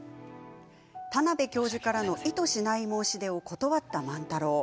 田邊教授からの意図しない申し出を断った万太郎。